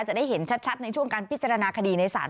จะได้เห็นชัดในช่วงการพิจารณาคดีในศาล